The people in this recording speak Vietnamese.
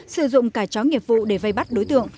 sử dụng cả chó nghiệp vụ để vây bắt đối tượng